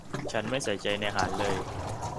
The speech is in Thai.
ฉันไม่ใส่ใจในอาหารเลย